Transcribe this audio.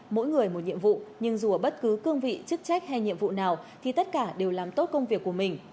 mỗi người một nhiệm vụ nhưng dù ở bất cứ cương vị chức trách hay nhiệm vụ nào thì tất cả đều làm tốt công việc của mình